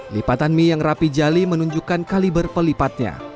lipatan mie yang rapi jali menunjukkan kaliber pelipatnya